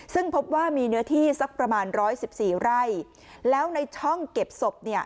ซึ่งพบว่ามีเนื้อที่สักประมาณร้อยสิบสี่ไร่แล้วในช่องเก็บศพเนี่ย